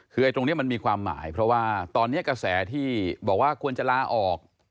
คือตรงนี้มันมีความหมายเพราะว่าตอนนี้กระแสที่บอกว่าควรจะลาออก